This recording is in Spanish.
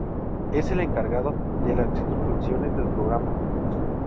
Es el encargado de las expulsiones del programa.